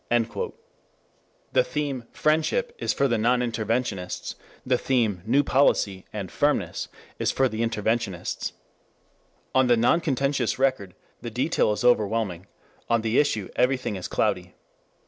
_" The theme friendship is for the non interventionists, the theme "new policy" and "firmness" is for the interventionists. On the non contentious record, the detail is overwhelming; on the issue everything is cloudy.